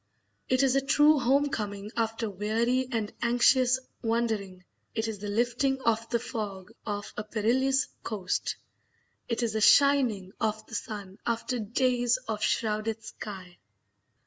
It is a true home coming after weary and anxious wandering; it is the lifting of the fog off a perilous coast; it is the shining of the sun after days of shrouded sky.